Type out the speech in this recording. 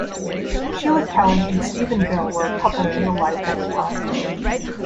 Sheila Kelley and Stephen Bill were a couple in real life at the time.